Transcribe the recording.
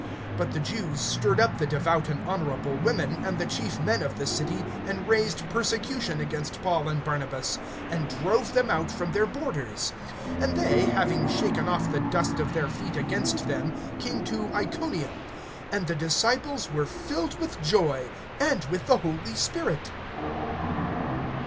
(50)But the Jews stirred up the devout and honorable women, and the chief men of the city, and raised persecution against Paul and Barnabas, and drove them out from their borders. (51)And they, having shaken off the dust of their feet against them, came to Iconium. (52)And the disciples were filled with joy, and with the Holy Spirit.